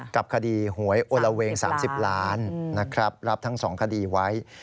กับคดีหวยโอละเวง๓๐ล้านนะครับรับทั้ง๒คดีไว้